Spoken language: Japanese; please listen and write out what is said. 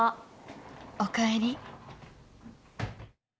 おかえり。